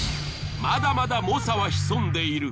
まだまだ猛者は潜んでいる。